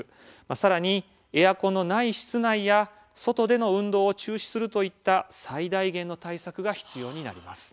さらにエアコンのない室内や外での運動を中止するといった最大限の対策が必要になります。